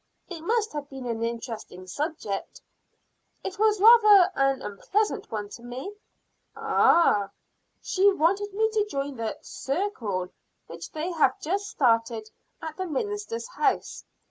"It must have been an interesting subject." "It was rather an unpleasant one to me." "Ah!" "She wanted me to join the 'circle' which they have just started at the minister's house.